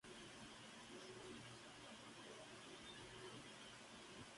El libro fue escrito enteramente en verso.